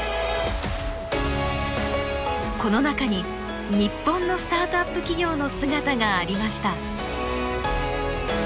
この中に日本のスタートアップ企業の姿がありました。